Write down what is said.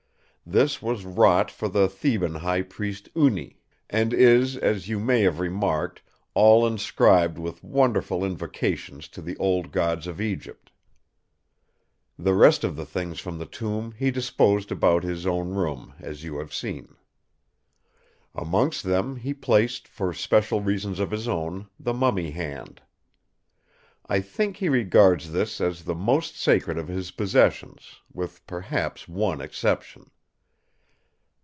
This was wrought for the Theban High Priest Uni, and is, as you may have remarked, all inscribed with wonderful invocations to the old Gods of Egypt. The rest of the things from the tomb he disposed about his own room, as you have seen. Amongst them he placed, for special reasons of his own, the mummy hand. I think he regards this as the most sacred of his possessions, with perhaps one exception.